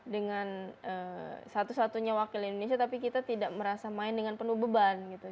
dengan satu satunya wakil indonesia tapi kita tidak merasa main dengan penuh beban gitu